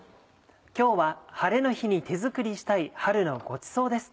今日は晴れの日に手作りしたい春のごちそうです。